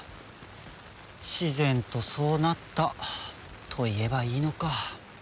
自然とそうなったと言えばいいのか。